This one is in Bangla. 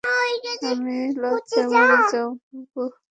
আমি লজ্জায় মরে যাব।